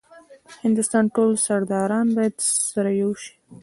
هندوستان ټول سرداران باید سره یو شي.